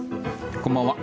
こんばんは。